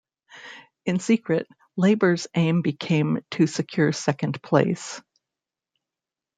In secret, Labour's aim became to secure second place.